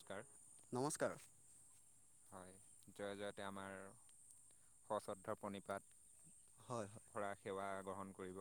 নমস্কাৰ। নমস্কাৰ। হয় জয় জয়তে আমাৰ সশ্ৰদ্ধ প্ৰণিপাত। হয় হয় পূৰা সেৱা গ্ৰহণ কৰিব।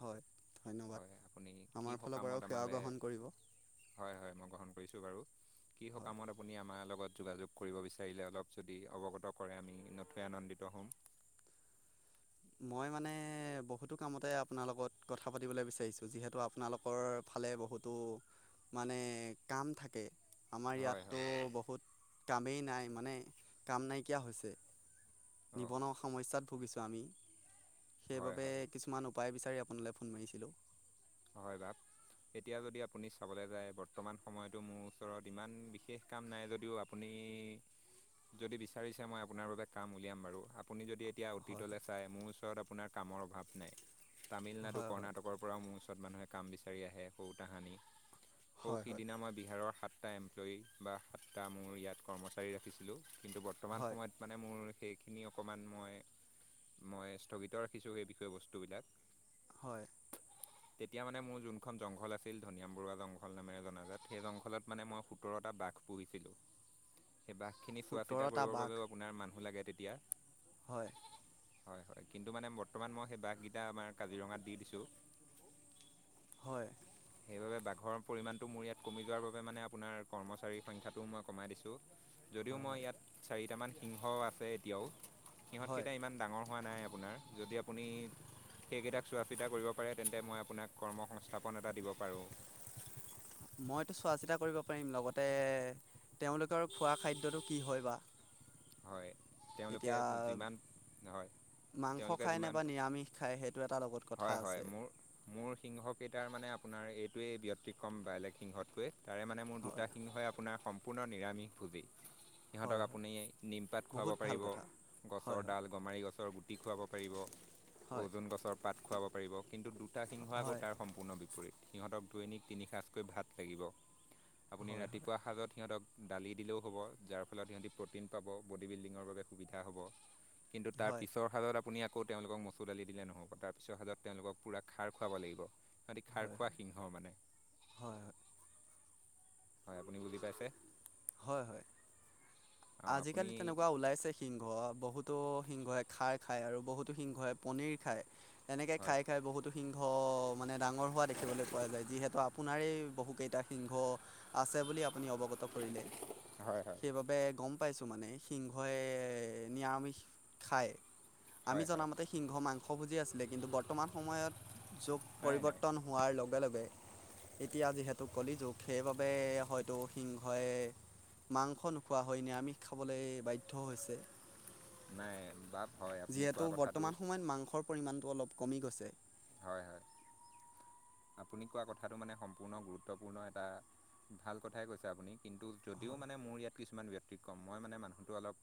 হয় ধন্যবাদ হয় আপুনি কি আমাৰ ফালৰ পৰাও সকামত সেৱা আমালে গ্ৰহণ কৰিব হয় হয় মই গ্ৰহণ কৰিছো বাৰু কি হয় সকামত আপুনি আমাৰ লগত যোগাযোগ কৰিব বিচাৰিলে অলপ যদি অৱগত কৰে আমি নথৈ আনন্দিত হ'ম। মই মানে বহুতো কামতে আপোনাৰ লগত কথা পাতিবলৈ বিচাৰিছোঁ যিহেতু আপোনালোকৰ ফালে বহুতো মানে কাম থাকে আমাৰ হয় ইয়াতটো হয় বহুত কামেই নাই মানে কাম নাইকিয়া হৈছে। অঁ নিবনুৱা সমস্যাত ভুগিছো আমি। হয় সেইবাবে হয় কিছুমান উপায় বিচাৰি আপোনালে ফোন মাৰিছিলো। হয়। বাপ এতিয়া যদি আপুনি চাবলৈ যায়। বৰ্তমান সময়তো মোৰ ওচৰত ইমান বিশেষ কাম নাই যদিও আপুনি উম। যদি বিচাৰিছে মই আপোনাৰ বাবে কাম উলিয়াম বাৰু। আপুনি যদি এতিয়া হয় অতীতলৈ হয় চাই মোৰ ওচৰত আপোনাৰ কামৰ অভাৱ নাই। তামিলনাডু হয় হয় কৰ্ণাটকৰ পৰা মোৰ ওচ কাম বিচিৰি আহে সৌ তাহানি। সৌ হয় হয় সিদিনা মই বিহাৰৰ সাতটা এমপ্লয়ী বা সাতটা মোৰ ইয়াত কৰ্মচাৰী ৰাখিছিলোঁ। কিন্তু বৰ্তমান হয় সময়ত মানে মোৰ সেইখিনি অকণমান মই, মই স্থগিত ৰাখিছোঁ সেই বিষয়বস্তুবিলাক। হয়। তেতিয়া মানে মোৰ যোনখন জংঘল আছিল, ধনিয়াম বৰুৱা জংঘল নামেৰে জনাজাত। সেই জংঘলত মানে মই সোতৰটা বাঘ পুহিছিলো। উ সেই বাঘ খিনি চোৱা চিতা কৰিবৰ বাবেও আপোনাৰ মানুহ লাগে তেতিয়া। হয়। হয়। হয়। কিন্তু মানে বৰ্তমান মই সেই বাঘকেইটা আমাৰ কাজিৰঙাত দি দিছোঁ হয়। সেইবাবে বাঘৰ পৰিমাণটো মোৰ ইয়াত কমি যোৱাৰ বাবে মানে আপোনাৰ কৰ্মচাৰীৰ সংখ্যাটোও মই কমাই দিছো। যদিও হয় মই হয় ইয়াত চাৰিটামান সিংহ আছে এতিয়াও, হয় সিহঁতকেইটা ইমান ডাঙৰ হোৱা নাই আপোনাৰ যদি আপুনি সেইকেইটাক চোৱা চিতা কৰিব পাৰে, তেন্তে মই আপোনাক কৰ্ম সংস্থাপন এটা দিব পাৰোঁ। মইতো চোৱা চিতা কৰিব পাৰিম, লগতে তেওঁলোকৰ খোৱা খাদ্যটো কি হয় বা? হয়। তেওঁলোকে এতিয়া যিমান হয় মাংস তেওঁলোকে খায় নে যিমান বা নিৰামিষ খায় সেইটো এটা লগত কথা হয়- হয় আছে ম মোৰ সিংহকেইটাৰ মানে আপোনাৰ এইটোৱেই ব্যতিক্ৰম বেলেগ সিংহতকে তাৰে মানে মোৰ দুটা হয় সিংহই আপোনাৰ সম্পূৰ্ণ নিৰামিষ ভোজেই। সিহঁতক হয় হয় আপুনি নিমপাত খুৱাব বহুত ভাল পাৰিব, কথা গছৰ হয় হয় ডাল, গমাৰি গছৰ গুটি খুৱাব পাৰিব। হয় অওজন গছৰ পাত খুৱাব পাৰিব। কিন্তু দুটা সিংহ আকৌ হয় তাৰ সম্পূৰ্ণ বিপৰীত। সিহঁতক দৈনীক তিনি সাঁচকৈ ভাত লাগিব। আপুনি হয় হয় হয় ৰাতিপুৱা সাঁজত সিহঁতক দালি দিলেও হ'ব। যাৰ ফলত স বডি বিল্ডিঙৰ বাবে সুবিধা হব। কিন্তু তাৰ হয় পিছৰ সাঁজত আপুনি আকৌ তেওঁলোকক মচুৰ দালি দিলে নহ'ব। তাৰপিছৰ হাজত তেওঁলোকক পূৰা খাৰ খুৱাব লাগিব। আদি খাৰ হয় খোৱা সিংহ মানে। হয় হয় আপুনি বুজি পাইছে। হয় হয় অঁ আজিকালি আপুনি তেনেকুৱা ওলাইছে সিংহ বহুত। তো সিংহে খাৰ খায় আৰু বহুতো সিংহই পনীৰ খায়। এনেকে হয় খাই খাই বহুতো সিংহ মানে ডাঙৰ হোৱা দেখিবলৈ পোৱা যায়। যিহেতু আপোনাৰ বহু কেইটা সিংহ আছে বুলি আ অৱগত কৰিলে হয় হয় সেইবাবে গম পাইছোঁ মানে সিংহই নিৰামিষ খায়। আমি হয় হয় জনামতে সিংহ মাংস ভুজি আছিলে, কিন্তু বৰ্তমান সময়ত যোগ নাই নাই পৰিৱৰ্তন হোৱাৰ লগে লগে এতিয়া যিহেতু কলি যুগ সেইবাবে হয়তো সিংহই মাংস নোখোৱা হয় নিৰামিষ খাবলৈ বাধ্য হৈছে। নাই বাপ হয় আপুনি যিহেতু কোৱা কথাটো বৰ্তমান সময়ত মাংসৰ পৰিমাণটো অলপ কমি গৈছে। হয় হয় আপুনি কোৱা কথাটো মানে সম্পূৰ্ণ গুৰুত্বপূৰ্ণ এটা ভাল কথাই কৈছে আপুনি। কিন্তু যদিও হয় মানে মোৰ ইয়াত কিছুমান ব্যতিক্ৰম মই মানে মানুহটো অলপ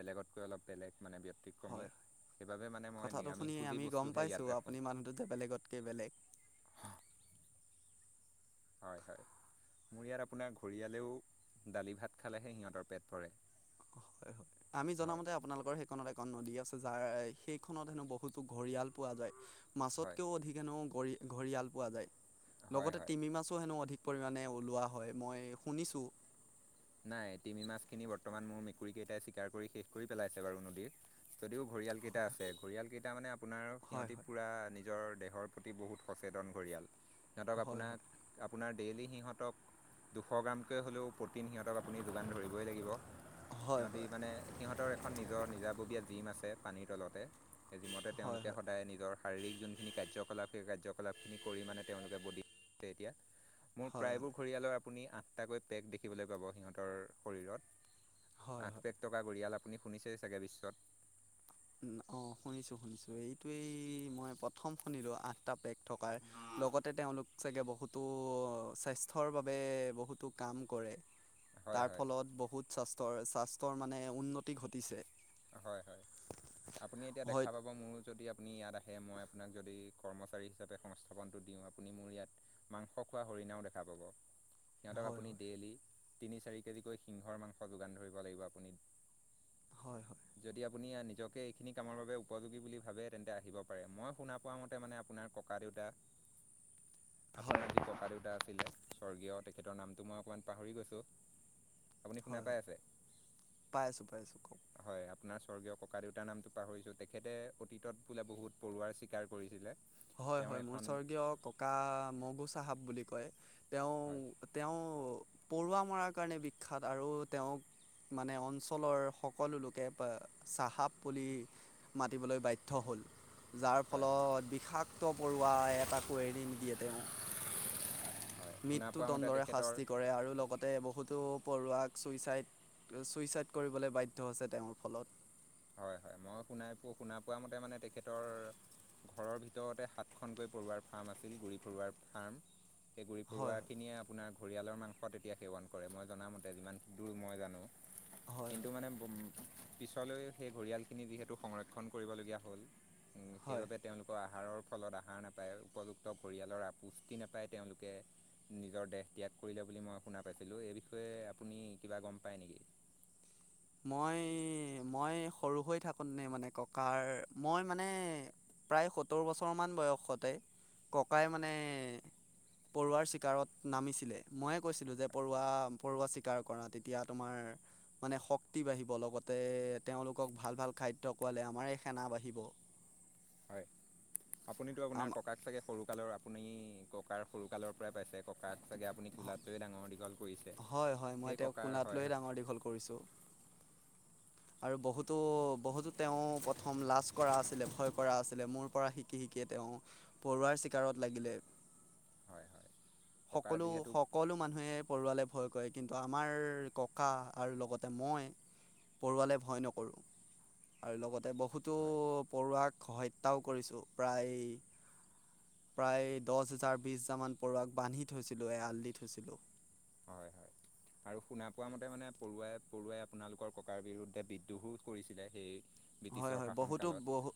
বেলেগতকৈ অলপ বেলেগ মানে ব্যতিক্ৰমী হয় সেইবাবে মানে মই কথাটো নিৰামিষ শুনি বুজি আমি গম বস্তুহে ইয়াত পাইছোঁ ৰাখো। আপুনি মানুহটো যে বেলেগতকৈ বেলেগ হয়। হয়। মোৰ ইয়াত আপোনাৰ ঘৰিয়ালেও দালি ভাত খালেহে সিহঁতৰ পেট ভৰে। হয়। হয়। আমি হয় জনামতে আপোনালোকৰ সেইখন এখন নদী আছে যাৰ। সেইখনত হেনো বহুতো ঘৰিয়াল পোৱা যায়। হয় মাছতকেও অধিক হেনো কৰি ঘৰিয়াল পোৱা যায়। হয় লগতে হয় তিমি মাছো হেনো অধিক পৰিমাণে ওলোৱা হয়। মই শুনিছোঁ। নাই। তিমি মাছখিনি বৰ্তমান মোৰ মেকুৰী কেইটাই চিকাৰ কৰি শেষ কৰি পেলাইছে বাৰু নদীৰত, যদিও ঘৰিয়াল কেইটা আছে। ঘৰিয়ালকেইটা মানে আপোনাৰ হয় সিহঁতি হয় পূৰা নিজৰ দেহৰ প্ৰতি বহুত সচেতন ঘৰিয়াল। সিহঁতোক হয় আপোনাক আপোনাৰ ডেইলি সিহঁতক দুশ গ্ৰামকৈ হ'লেও তিন সিহঁতক আপুনি যোগান ধৰিই লাগিব। হয় হয় হয় সিহঁতি মানে। সিহঁতৰ এখন নিজৰ নিজাববীয়া জিম আছে পানীৰ তলতে। যিমতে হয় হয় তেওঁলোকে সদায় নিজৰ শাৰীৰিক যোনখিনি কাৰ্য কলাপ স কাৰ্যকলাপ খিনি কৰি মানে তেওঁলোকে বলিছে এতিয়া, মোৰ হয় প্ৰায়বোৰ ঘৰিয়ালৰ আপুনি আঠটাকৈ পেগ দেখিবলৈ পাব সিহঁতৰ হয় শৰীৰত। আঠ হয় পেগ থকা ঘঁৰিয়াল আপুনি শুনিছেই চাগে বিশ্বত। অ শুনিছো শুনিছো এইটো মই প্ৰথম শুনিলো আঠটা পেক থকাৰ লগতে তেওঁলোক চাগে বহুতো স্বাস্থ্যৰ বাবে বহুতো কাম কৰে। হয় তাৰ হয় ফলত বহুত স্বাস্থৰ স্বাস্থ্যৰ মানে উন্নতি ঘটিছে। হয় হয় আপুনি এতিয়া হয় দেখা পাব মোৰো যদি আপুনি ইয়াত আহে। মই আপোনাক যদি কচাৰী হিচাপে সংস্থাপনটো দিও। আপুনি মোৰ ইয়াত মাংস খোৱা পৰিণাও দেখা পাব। সিহঁতক হয় আপুনি হয় ডেইলি তিনি-চাৰি কেজিকৈ সিংহৰ মাংস যোগান ধৰিব লাগিব আপুনি। হয়। হয়। যদি আপুনি নিজকে এইখিনি কামৰ বাবে উপযোগী বুলি ভাবে, তেন্তে আহিব পাৰে মই শুনা পোৱা মতে মানে আপু আৰ ককা দেউতা [unintelligible] হয় আপোনাৰ যি ককা দেউতা আছিলে। স্বৰ্গীয় তেখেতৰ নামটো মই অকণমান পাহৰি গৈছোঁ। আপুনি শুনা হয়। পাই হয়। আছে পাই আছো পাই, আছো কক হয়। আপোনাৰ স্বৰ্গীয় ককা দেউতাৰ নামতটো পাহৰিছো। তেখেতে অতীতত বোলে বহুত পৰুৱাৰ চীকাৰ কৰিছিলে। হয়। তেওঁৰ হয় মোৰ এখন স্বৰ্গীয় ককা মগু চাহাব বুলি কয়। তেওঁ হয় - তেওঁ পৰুৱা মৰাৰ কাৰণে বিখ্যাত আৰু তেওঁক মানে অঞ্চলৰ সকলো লোকে চাহাপ বুলি মাতিবলৈ বাধ্য হয়। যাৰ হয় হয় ফলত বিষাক্ত পৰুৱাই এটাকো এৰি নিদিয়ে তেওঁ। হয় শুনা মৃত্যু পোৱা মতে দণ্ডৰে তেখেতৰ শাস্তি কৰে আৰু লগতে বহুতো পৰুৱাক চুইচাইড-চুইচাইড কৰিবলৈ বাধ্য হৈছে তেওঁৰ ফলত। হয় হয় মই শুনাই পোৱা শুনা পোৱা মতে মানে তেখেতৰ ঘৰৰ ভিতৰতে সাতখনকৈ পৰুৱাৰ ফাৰ্ম আছিল গুৰি পৰুৱাৰ ফাৰ্ম। সেই গুৰি হয় হয় পৰুৱাখিনিয়ে আপোনাৰ ঘৰিয়ালৰ মাংসত এতিয়া সেৱন কৰে। মই জনামতে যিমান দূৰ মই জানো হয় হয় কিন্তু মানে পিছলৈ সেই ঘৰিয়ালখিনি যিহেতু সংৰক্ষণ কৰিবলগীয়া হ'ল। হয় সেইবাবে তেওঁলোকৰ আহাৰৰ ফলত আহাৰ নাপায়। উপযুক্ত পৰিয়ালৰ আপুষ্টি নাপায় তেওঁলোকে নিজৰ দেশ ত্যাগ কৰিলে। বুলি মই শুনা পাইছিলো। এই বিষয়ে আপুনি কিবা গম পাই নেকি? [unintelligible] মই মই সৰু হৈ থাকো নে মানে ককাৰ মই মানে প্ৰায় সত্তৰ বছৰ মমান বয়সতে, ককাই মানে পৰুৱাৰ চিকাৰত নামিছিলে। ময়ে কৈছিলো যে পৰুৱা পৰুৱা চিকাৰ কৰা তেতিয়া তোমাৰ মানে শ শক্তি বাঢ়িব। লগতে তেওঁলোকক ভাল ভাল খাদ্য খোৱালে আমাৰ সেনা বাঢ়িব। হয়। আপুনিতো আপোনাৰ আম ককাক চাগে সৰুকালৰ আপুনি ককাৰ সৰুকালৰ পৰাই পাইছে। ককাক চাগে আপুনি কোলাট লৈয়ে ডাঙৰ দীঘল কৰিছে হয় হয় মই সেই তেওঁক ককাৰ কোলাত হয় লৈয়ে ডাঙৰ দীঘল কৰিছোঁ। আৰু বহুতো-বহুতো তেওঁ প্ৰথম লাজ কৰা আছিলে, ভয় কৰা আছিলে, মোৰ পৰা শিকি শ কে তেওঁ পৰুৱাৰ চিকাৰত লাগিলে। হয় হয় ককাৰ সকলো যিহেতু সকলো মানুহে পৰুৱালে ভয় কৰে। কিন্তু আমাৰ ককা আৰু লগতে মই হয় পৰুোৱালে ভয় নকৰোঁ। আৰু লগতে বহুতো হয় পৰুৱাক হত্যাও কৰিছোঁ। প্ৰায় প্ৰায় দহ হোজাৰ বিশ হাজজাৰমানান পৰুৱাক বান্ধি থৈছিলোঁ, আল দি থৈছিলোঁ। হয় হয় আৰু শুনা পোৱা মতে মানে পৰুৱাই পৰুৱাই আপোনালোকৰ ককাৰ বিৰুদ্ধে বিদ্ৰোহো কৰিছিলে। সেই হয়। ব্ৰিটিছৰ হয়। শাসন বহুতো কালত বহু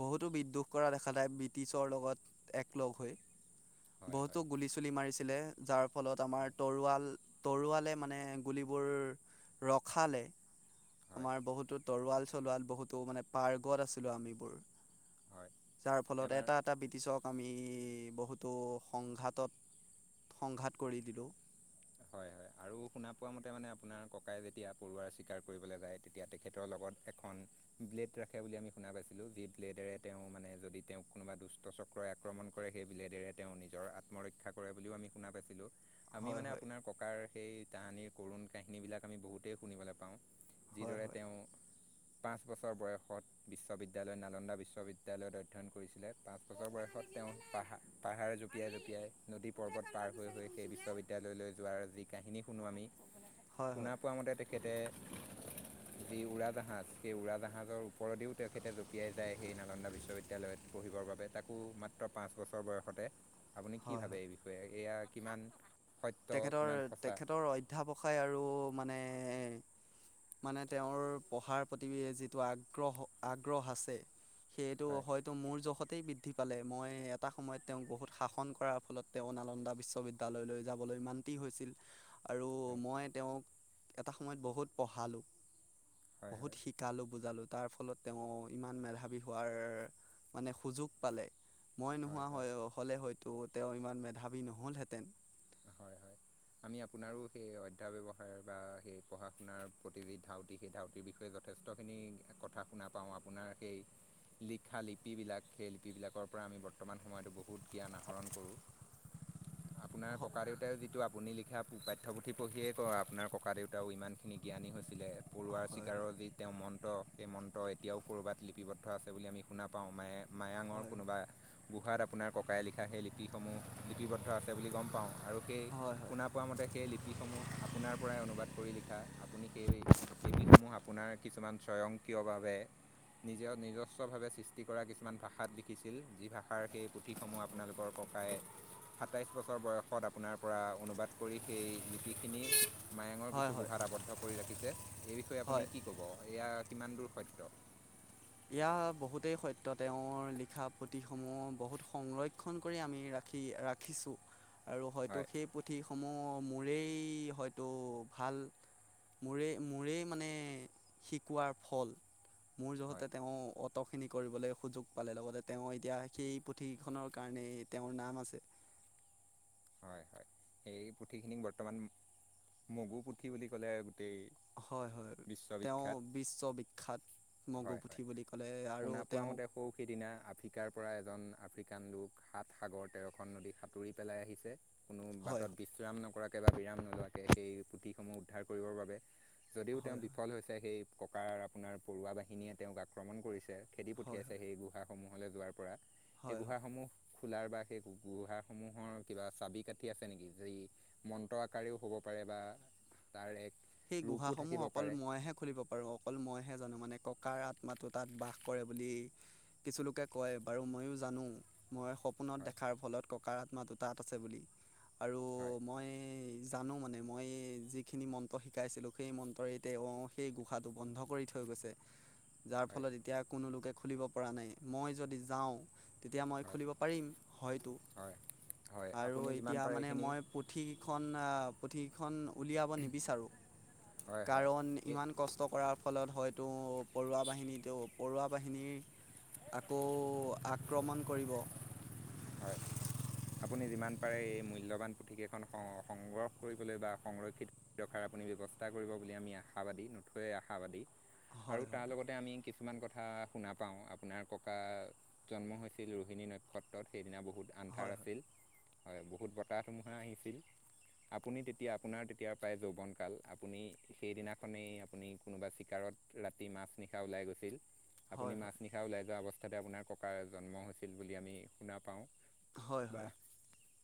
বহুতো বিদ্ৰোহ কৰা দেখা যায়। ব্ৰিটিছৰ লগত এক লগ হৈ। হয় বহুতো হয় গুলি চুলি মাৰিছে ছিলে যাৰ ফলত হয় আমাৰ তৰোৱাল তৰোৱালে মানে গুলিবোৰ ৰখালে। হয় আমাৰ বহুতো তৰোৱাল-চলোৱাল বহুতো মানে পাৰ্গত আছিলো আমিবোৰ। হয় যাৰ ফলত এবাৰ এটা এটা ব্ৰিটিছক আমি বহুত সংঘাতত, সংঘাত কৰি দিলোঁ। হয় হয় আৰু শুনা পোৱা মতে মানে আপোনাৰ ককাই যেতিয়া পৰুৱাৰ স্বীকাৰ কৰিবলৈ যায়, তেতিয়া তেখেতৰ লগত এখন ব্লেড ৰাখে বুলি আমি শুনা পাইছিলো। যি ব্লেডেৰে তেওঁ মানে যদি তেওঁক কোনোবা দুষ্ট চক্ৰই আক্ৰমণ কৰে সেই ব্লেডেৰে তেওঁ নিজৰ আত্মৰক্ষা কৰে বুলিও আমি শুনা পাইছিলো। আমি হয় মানে হয় আপোনাৰ ককাৰ সেই কাহানিৰ কৰুণ কাহিনীবিলাক আমি বহুতেই শুনিবলৈ পাওঁ। হয় যিদৰে হয় তেওঁ পাঁচ বছৰ বয়সত বিশ্ববিদ্যালয় নালন্দা বিশ্ববিদ্যালয়ত অধ্যয়ন কৰিছিলে। পাঁচ বছৰ বয়সত তেওঁ পাহাৰ পাহাৰে জঁপিয়াই জঁপিয়াই নদী পৰ্বত পাৰ হৈ হৈ সেই বিশ্ববিদ্যালয়লৈ যোৱাৰ যি কাহিনী শুনো আমি। হয় হয় শুনা পোৱা মতে তেখেতে যি উৰাজাহাজ সেই উৰাজাহাজৰ ওপৰদিও তেখেতে জঁপিয়াই যায় সেই নালন্দা বিশ্ববিদ্য়ালয়ত। পঢ়িবৰ বাবে তাকো মাত্ৰ পাঁচ বছৰ বয়সতে আপুনি কি হয় ভাবে হয় এই বিষয়ে? এয়া কিমান সত্য তেখেতৰ কিমান সঁচা তেখেতৰ অধ্যাপসায় আৰু মানে মানে তেওঁৰ পঢ়াৰ প্ৰতি যিটো আগ্ৰহ আগ্ৰহ আছে। সেইটো হয় হয়তো মোৰ জোখত বৃদ্ধি পালে। মই এটা সময়ত তেওঁক বহুত শাসন কৰাৰ ফলত তেওঁ নালন্দা বিশ্ববিদ্যালয়লৈ যাবলৈ মান্তি হৈছিল আৰু হয় মই তেওঁক এটা সময়ত বহুত পঢ়ালো হয় হয় বহুত শিকালো বুজালো। তাৰ ফলত তেওঁ ইমান মেধাবী হোৱাৰ মানে সুযোগ পালে। মই হয় নোহোৱা হয় হলে হয়তো তেওঁ ইমান মেধাৱী নহলহেঁতেন। হয় হয় আমি আপোনাৰো সেই অধ্যায় ব্যৱহাৰ বা সেই পঢ়া শুনাৰ প্ৰতি যি ধাউতি, সেই ধাউতিৰ বিষয়ে যথেষ্ট খিনি কথা শুনা পাওঁ আপোনাৰ সেই লিখা লিপিবিলাক সেই লিপিবিলাকৰ পৰা আমি বৰ্তমান সময়তো বহুত জ্ঞান আহৰণ কৰোঁ। [unintelligible] আপোনাৰ ক হয় ককা দেউতাই যিটো আপুনি লিখা পাঠ্যপুথি পঢ়িয়েই কয় আপোনাৰ ককা দেউতাও ইমানখিনি জ্ঞানী হৈছিলে। পৰুৱাৰ হয় চিকাৰৰ যি তেওঁ মন্ত্ৰ সেই মন্ত্ৰ এতিয়াও ক'ৰবাত লিপিবদ্ধ আছে বুলি আমি শুনা পাওঁ। মায়ে মায়ঙৰ হয় কোনোবা গোহাত আপোনাৰ ককাইে লিখা সেই লিপিসমূহ লিপিবদ্ধ আছে বুলি গম পাওঁ। আৰু সেই, হয় শুনা পোৱা মতে সেই লিপি লিপিসমূহ আপোনাৰ পৰাই অনুবাদ কৰি লিখা, আপুনি সেই লিপিসমূহ আপোনাৰ কিছুমান স্বয়ং কিয়ভাৱে নিজৰ নিজস্বভাৱে সৃষ্টি কৰা কিছুমান ভাষাত লিখিছিল, যি ভাষাৰ সেই পুথিসমূহ আপোনালোকৰ সাতাইশ বছৰ বয়সত আপোনাৰ পৰা অনুবাদ কৰি সেই লিপিখিনি মায়েঙৰ হয় কিছু হয় গুহাত আৱদ্ধ কৰি ৰাখিছে। এই বিষয়ে হয় আপুনি কি ক'ব এয়া কিমান দূৰ সত্য? ইয়া বহুতেই সত্য তেওঁৰ লিখা পুথিসমূহ বহুত সংৰক্ষণ কৰি আমি ৰাখ ৰাখি ৰাখিছো আৰু হয়তো হয় সেই পুথি সমূহ মোৰেই হয়তো ভাল মোৰে মোৰেই মানে শিকোৱাৰ ফল, মোৰ যহতে হয় অটখিনি কৰিবলৈ সুযোগ পালে, লগতে তেওঁ এতিয়া সেই পুথিখনৰ কাৰণেই তেওঁৰ নাম আছে। [inaudible] হয় হয় এই পুথিখিনিক বৰ্তমান মগু পুথি বুলি ক'লে গোটেই হয় হয় তেওঁ বিশ্ববিখ্যাত বিশ্ববিখ্যাত মগু হয় হয়, পুথি বুলি ক'লে আৰু শুনা পোৱা তেওঁক মতে সৌ সিদিনা আফ্ৰিকাৰ পৰা এজন আফ্ৰিকান লোক সাত সাগৰ তেৰখন নদী সাঁতুৰি পেলাই আহিছে। কোনো হয় বাটত হয় বিশ্ৰাম নকৰাকে বা বিৰাম নোলোৱাকে সেই পুথিসমূহ উদ্ধাৰ কৰিবৰ বাবে। যদিও তেওঁ হয় হয় বিফল হৈছে সেই ককাৰ আৰু আপোনাৰ পৰুৱা বাহিনীয়ে তেওঁক আক্ৰমণ কৰিছে খেদি হয় পঠিয়াইছে সেই গুহাসমূহলৈ যোৱাৰ পৰা সেই হয় হয় গুহাসসমূহ খোলাৰ বা সেই গুহাসমূহৰ কিবা চাবি কাঠি আছে নেকি? যি মন্ত্ৰ আকাৰেও হ'ব পাৰে বা তাৰ এক সেই ৰূপো গুহাসমূহ থাকিব অকল পাৰে মইহে খুলিব পাৰো অকল মইহে জানো মানে। ককাৰ আত্মাটো তাত বাস কৰে বুলি কিছুলোকে কয় বাৰু ময়ো জানো। মই সপোনত হয় দেখাৰ ফলত ককাৰ আত্মাটো তাত আছে বুলি আৰু হয় মই জানো মানে মই যিখিনি মন্ত্ৰ শিকাইছিলোঁ সেই মন্তৰেতে অ', সেই গোহাটো বন্ধ কৰি থৈ গৈছে। যাৰ হয় ফলত এতিয়া কোনো লোকে খুলিব পৰা নাই মই যদি যাওঁ তেতিয়া মই হয় খুলিব পাৰিম হয়তো। হয় হয় আৰু আপুনি যিমান এতিয়া পাৰে মানে এইখিনি মই পুথি কেইখন পুথিখন উলিয়াব নিবিচাৰোঁ, হয় হয় কাৰণ এই ইমান কষ্ট কৰাৰ ফলত হয় ত' পৰুৱা বাহিনীত পৰুৱা বাহিনীৰ আকৌ আক্ৰমণ কৰিব। হয়। আপুনি যিমান পাৰে এই মূল্যবান পুথিকেইখন সংগ্ৰহ কৰিবলৈ বা সংৰক্ষিত কৰি ৰখাৰ ব্যৱস্থা কৰিব বুলি আমি আশাবাদী নথৈ আশাবাদী, আৰু হয় তাৰ হয় লগতে আমি কিছুমান কথা শুনা পাওঁ আপোনাৰ ককা জন্ম হৈছিল ৰোহিণী নক্ষত্ৰত সেইদিনা বহুত আন্ধাৰ হয় আছিল হয়, বহুত বতাহ ধুমুহা আহিছিল আপুনি তেতিয়া আপোনাৰ তেতিয়া প্ৰায় যৌৱনকাল, আপুনি সেইদিনাখনেই আপুনি কোনোবা চিকাৰৰ ৰাতি মাছ নিশা ওলাই গৈছিল আপুনি হয় হয় মাজ নিশা ওলাই যোৱা অৱস্থাতে আপোনাৰ ককাৰ জন্ম হৈছিল বুলি আমি শুনা পাওঁ। হয় বা হয়।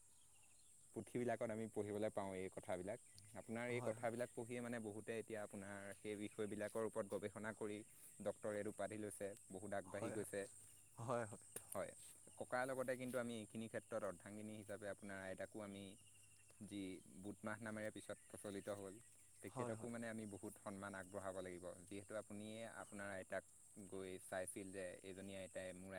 [unintelligible] পুথিবিলাকত আমি পঢ়িবলৈ পাওঁ এই কথাবিলাক আপোনাৰ এই হয় হয় কথাবিলাক পঢ়িয়ে মানে বহুতে এতিয়া আপোনাৰ সেই বিষয়বিলাকৰ ওপৰত গৱেষণা কৰি ডক্তৰে উপাধি লৈছে বহুত আগবাঢ়ি হয় হয় হয় গৈছে হয়। ককাৰ লগতে কিন্তু আমি এইখিনি ক্ষেত্ৰত অৰ্ধাংগিনী হিচাপে আপোনাৰ আইতাকো আমি যি বুধমাহ নামেৰে পিছত প্ৰচলিত হ'ল হয় তেখেতকো হয় মানে আমি বহুত সন্মান আগবঢ়াব লাগিব, যিহেতু আপুনিয়ে আপোনাৰ আইতাক গৈ চাইছিল যে এইজনী আইতাই মোৰ আই